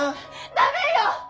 ダメよッ！！